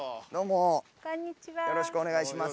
よろしくお願いします。